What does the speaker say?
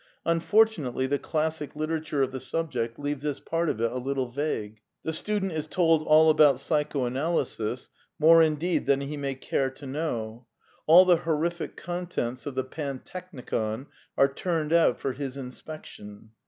Unfortunately the classic literature of the subject leaves this part of it a little vague. The student is told all about psychoanalysis — more indeed than he may care to know ; all the horrific contents of the pantechnicon are turned out for his in* spection.